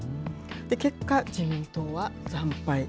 結果、自民党は惨敗。